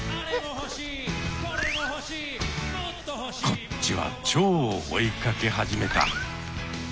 こっちはチョウを追いかけ始めた。